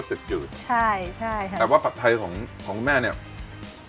ใช่ใช่แต่ว่าผัดไทรของแม่เนี่ย